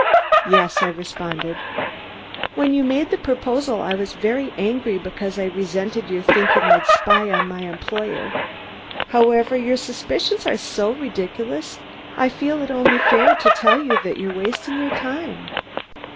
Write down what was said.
"Yes," I responded. "When you made that proposal, I was very angry because I resented your thinking I'd spy on my employer. However, your suspicions are so ridiculous I feel it is only fair to tell you that you are wasting your time."